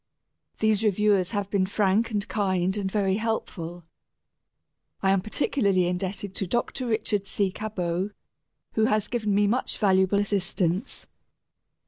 These reviewers have been frank and kind and very helpful. I am particularly indebted to Dr. Richard C. Cabot, who has given me much valuable assistance.